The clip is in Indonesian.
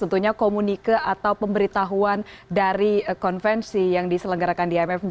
tentunya komunike atau pemberitahuan dari konvensi yang diselenggarakan di imfg